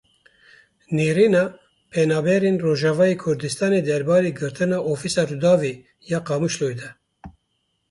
Nerîna penaberên Rojavayê Kurdistanê derbarê girtina Ofîsa Rûdawê ya Qamişlo de.